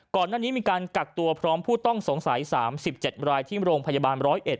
ก่อนหน้านี้มีการกักตัวพร้อมผู้ต้องสงสัย๓๗รายที่โรงพยาบาล๑๐๑